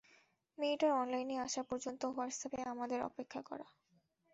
মেয়েটার অনলাইনে আসা পর্যন্ত হোয়াটসএ্যাপে আমাদের অপেক্ষা করা।